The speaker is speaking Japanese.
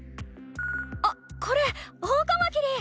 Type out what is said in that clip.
あっこれオオカマキリ！